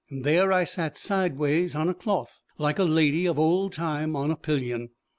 There I sat sideways on a cloth, like a lady of old time on a pillion.